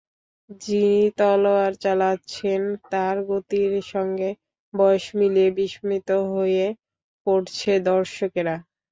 যিনি তলোয়ার চালাচ্ছেন, তাঁর গতির সঙ্গে বয়স মিলিয়ে বিস্মিত হয়ে পড়ছে দর্শকেরা।